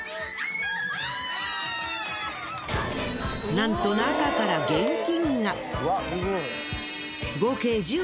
なんと中から現金が。